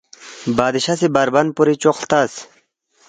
“ بادشاہ سی بربن پوری چوق ہلتس